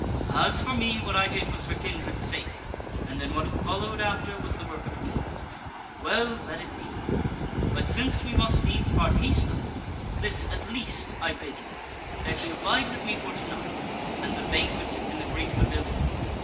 As for me, what I did was for kindred's sake, and then what followed after was the work of need. Well, let it be! But since we must needs part hastily, this at least I bid you, that ye abide with me for to night, and the banquet in the great pavilion.